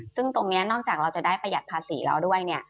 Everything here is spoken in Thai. ซึ่งตรงนี้นอกจากเราจะได้ประหยัดภาษีแล้วด้วยเนี่ย